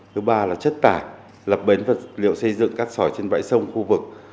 thứ ba là chất tải lập bến vật liệu xây dựng cát sỏi trên bãi sông khu vực